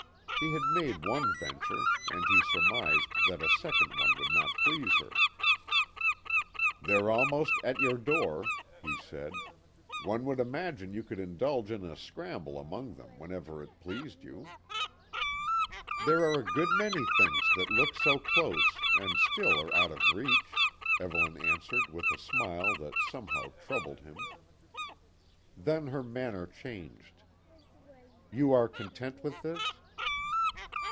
He had made one venture, and he surmised that a second one would not please her. "They're almost at your door," he said. "One would imagine you could indulge in a scramble among them whenever if pleased you." "There are a good many things that look so close and still are out of reach," Evelyn answered with a smile that somehow troubled him. Then her manner changed. "You are content with this?"